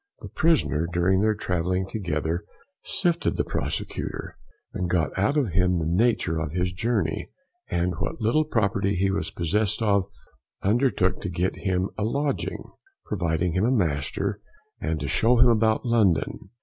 The prisoner, during their travelling together, sifted the prosecutor, and got out of him the nature of his journey, and what little property he was possessed of, undertook to get him a lodging, provide him a master, and to show him about London.